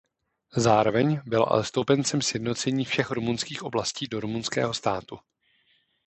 Zároveň byl ale stoupencem sjednocení všech rumunských oblastí do rumunského státu.